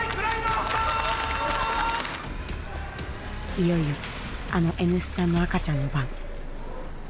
いよいよあのＮ産の赤ちゃんの番。